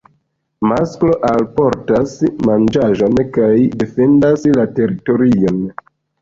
Masklo alportas manĝaĵon kaj defendas la teritorion.